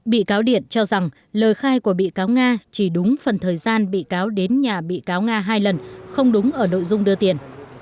bị cáo điện cho rằng lời khai của bị cáo nga chỉ đúng phần thời gian bị cáo đến nhà bị cáo nga hai lần không đúng ở nội dung đưa tiền